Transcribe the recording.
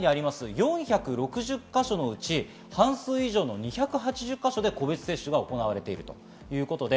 ４６０か所のうち半数以上の２８０か所で個別接種が行われているということです。